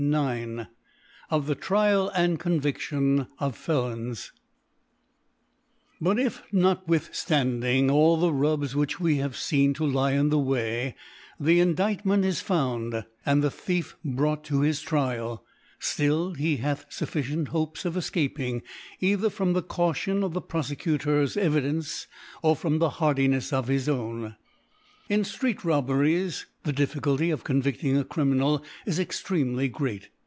IX. Of the Trial and Conviction of Felons^ BUT if, notwithftanding all the Rubs ^ which wc have feen to lie in the Way, the Indiftment is found, and the Thief brought to his Trial, flill he hath fufficient Hopes of efcaping, either from the Cau tion of the Profecu tor's Evidence, or from the Hardinefs of his own. In Street Robberies the Difficulty of con vifting a Criminal is extremely great.